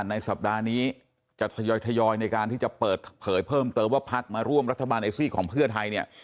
ในสัปดาห์นี้จะทยอยในการที่จะเปิดเผยเพิ่มเติมว่าพักมาร่วมรัฐบาลเอซี่ของเพื่อไทยเนี่ย